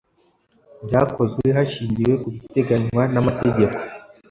Byakozwe hashingiwe ku biteganywa n’amategeko